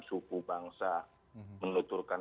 suku bangsa meneluturkan